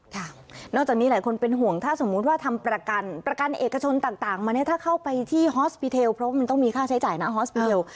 นอกจากนี้หลายคนเป็นห่วงถ้าสมมุติว่าทำประกันประกันเอกชนต่างมาเนี่ยถ้าเข้าไปที่ฮอสปีเทลเพราะว่ามันต้องมีค่าใช้จ่ายนะฮอสปีเทล